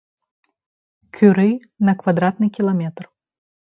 Кюры на квадратны кіламетр.